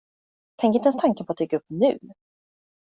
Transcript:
Tänk inte ens tanken på att dyka upp nu.